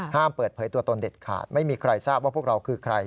เปิดเผยตัวตนเด็ดขาดไม่มีใครทราบว่าพวกเราคือใคร